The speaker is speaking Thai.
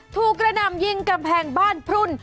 กระหน่ำยิงกำแพงบ้านพรุ่น